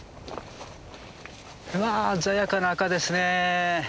うわ鮮やかな赤ですねえ。